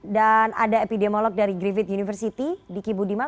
dan ada epidemiolog dari griffith university diki budiman